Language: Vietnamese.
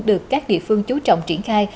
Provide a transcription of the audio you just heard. được các địa phương chú trọng triển khai